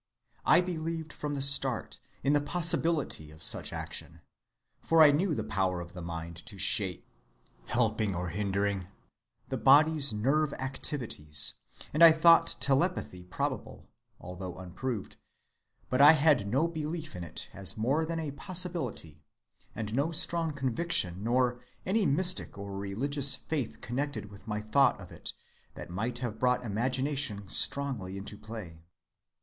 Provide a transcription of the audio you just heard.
I believed from the start in the possibility of such action, for I knew the power of the mind to shape, helping or hindering, the body's nerve‐activities, and I thought telepathy probable, although unproved, but I had no belief in it as more than a possibility, and no strong conviction nor any mystic or religious faith connected with my thought of it that might have brought imagination strongly into play.